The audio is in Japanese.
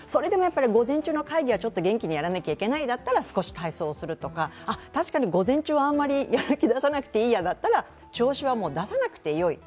午前中の会議は元気にやらなきゃいけないだったら体操をするとか、たしかに午前中はあまりやる気出さなくていいやだったら、調子は出さなくてよい。